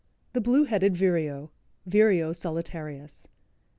THE BLUE HEADED VIREO. (_Vireo solitarius.